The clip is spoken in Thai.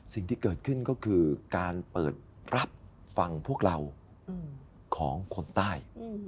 สิ่งที่เกิดขึ้นก็คือการเปิดรับฟังพวกเราของคนใต้